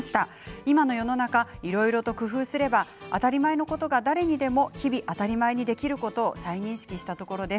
今の世の中工夫すれば当たり前のことが当たり前にできることを再認識したところです。